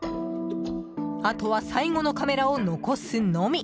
あとは最後のカメラを残すのみ。